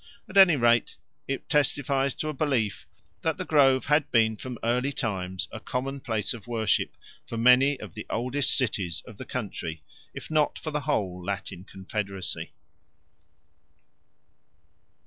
At any rate it testifies to a belief that the grove had been from early times a common place of worship for many of the oldest cities of the country, if not for the whole Latin confederacy.